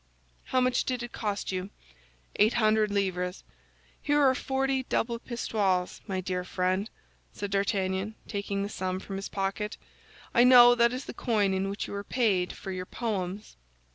"How much did it cost you?" "Eight hundred livres." "Here are forty double pistoles, my dear friend," said D'Artagnan, taking the sum from his pocket; "I know that is the coin in which you were paid for your poems."